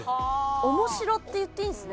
おもしろって言っていいんですね。